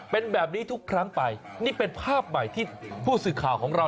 เป็นแบบนี้ทุกครั้งไปนี่เป็นภาพใหม่ที่ผู้สื่อข่าวของเรา